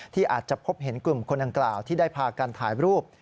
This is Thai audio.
ที่อาจจะพบเห็นกลุ่มคนดังกล่าวที่ได้พากันถ่ายรูป